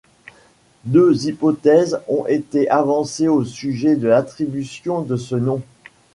Deux hypothèses ont été avancées au sujet de l'attribution de ce nom.